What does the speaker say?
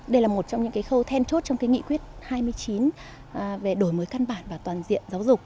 đây là một trong những khâu then chốt trong cái nghị quyết hai mươi chín về đổi mới căn bản và toàn diện giáo dục